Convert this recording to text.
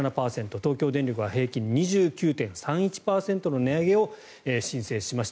東京電力は平均２９．３１％の値上げを申請しました。